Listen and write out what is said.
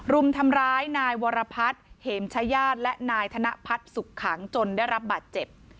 รุมทำร้ายนายวรพัฒน์เหมชายญาติและนายธนพัฒน์สุขขังจนได้รับบาดเจ็บ